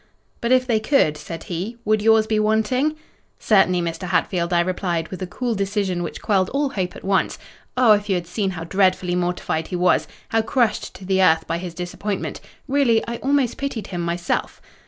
"'But if they could,' said he, 'would yours be wanting?' "'Certainly, Mr. Hatfield,' I replied, with a cool decision which quelled all hope at once. Oh, if you had seen how dreadfully mortified he was—how crushed to the earth by his disappointment! really, I almost pitied him myself.